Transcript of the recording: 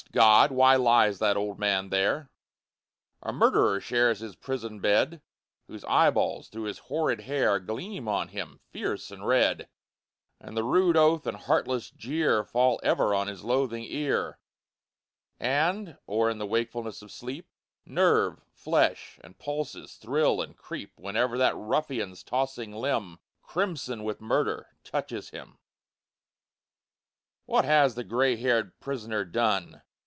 Just God! why lies that old man there? A murderer shares his prison bed, Whose eyeballs, through his horrid hair, Gleam on him, fierce and red; And the rude oath and heartless jeer Fall ever on his loathing ear, And, or in wakefulness or sleep, Nerve, flesh, and pulses thrill and creep Whene'er that ruffian's tossing limb, Crimson with murder, touches him! What has the gray haired prisoner done?